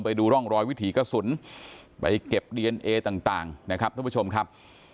ไปดูร่องรอยวิถีกระสุนไปเก็บดีเอนเอต่างนะครับท่านผู้ชมครับ